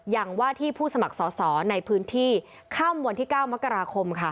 อย่างว่าที่ผู้สมัครสอสอในพื้นที่ค่ำวันที่๙มกราคมค่ะ